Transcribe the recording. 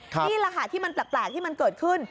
นี่แหละค่ะที่มันแปลกที่มันเกิดขึ้น